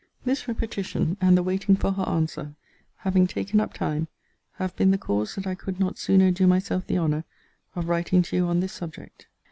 This repetition, and the waiting for her answer, having taken up time, have been the cause that I could not sooner do myself the honour of writing to you on this subject.